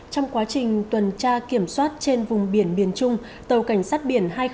trong quá trình tuần tra kiểm soát trên vùng biển biển trung tàu cảnh sát biển hai nghìn một mươi hai